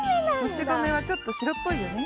もちごめはちょっとしろっぽいよね。